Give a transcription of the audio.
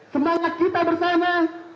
semangat kita bersama